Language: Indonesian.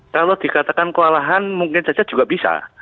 kalau dikatakan kewalahan mungkin saja juga bisa